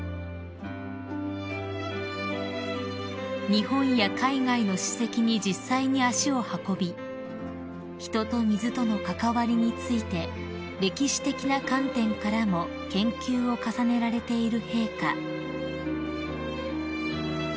［日本や海外の史跡に実際に足を運び人と水との関わりについて歴史的な観点からも研究を重ねられている陛下］